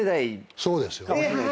そうですよね。